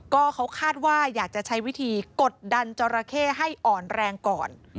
ก็เขาคาดว่าอยากจะใช้วิธีกดดันจราเข้ให้อ่อนแรงก่อน